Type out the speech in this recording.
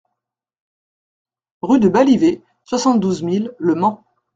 Rue de Balyver, soixante-douze mille Le Mans